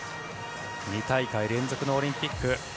２大会連続のオリンピック。